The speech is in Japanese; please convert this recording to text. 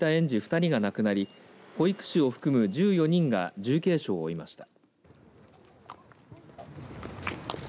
２人が亡くなり保育士を含む１４人が重軽傷を負いました。